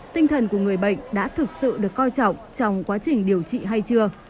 tinh thần của người bệnh đã thực sự được coi trọng trong quá trình điều trị hay chưa